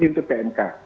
ini untuk pmk